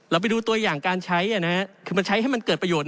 ไปดูตัวอย่างการใช้คือมันใช้ให้มันเกิดประโยชน